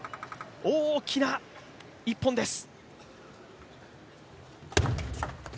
大きな１本です。